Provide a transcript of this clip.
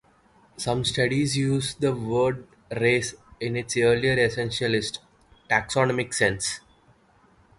Some studies use the word race in its early essentialist taxonomic sense.